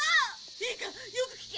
いいか、よく聞け！